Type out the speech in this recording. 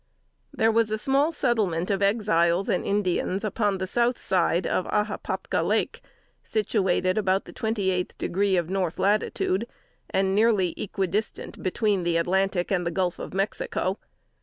There was a small settlement of Exiles and Indians upon the south side of A ha popka Lake, situated about the twenty eighth degree of north latitude, and nearly equi distant between the Atlantic and the Gulf of Mexico.